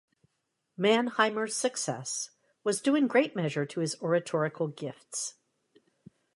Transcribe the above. Mannheimer's success was due in great measure to his oratorical gifts.